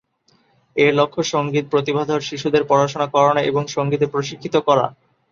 এর লক্ষ্য সঙ্গীত প্রতিভাধর শিশুদের পড়াশোনা করানো এবং সঙ্গীতে প্রশিক্ষিত করা।